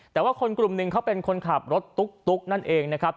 แต่ว่าคนกลุ่มหนึ่งเขาเป็นคนขับรถตุ๊กนั่นเองนะครับ